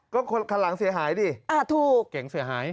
ก็คันหลังเสียหายดิถูกเก๋งเสียหาย